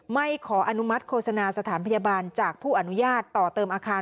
ขออนุมัติโฆษณาสถานพยาบาลจากผู้อนุญาตต่อเติมอาคาร